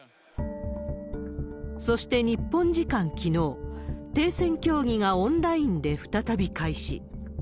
そして日本時間きのう、停戦協議がオンラインで再び開始。